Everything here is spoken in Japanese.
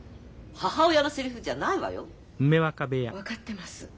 分かってます。